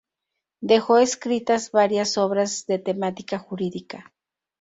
Dejó escritas varias obras de temática jurídica.